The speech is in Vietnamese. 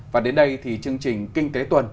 và đến đây thì chương trình kinh tế tuần